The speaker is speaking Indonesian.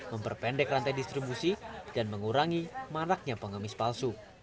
memperpendek rantai distribusi dan mengurangi maraknya pengemis palsu